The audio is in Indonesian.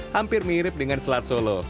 hampir mirip dengan selat solo